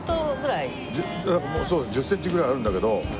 そう１０センチぐらいあるんだけど。